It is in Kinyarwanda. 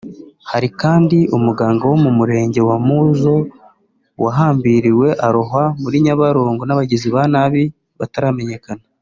Hari kandi umuganga wo mu Murenge wa Muzo wahambiriwe arohwa muri Nyabarongo n'abagizi ba nabi bataramenyekana